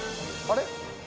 あれ？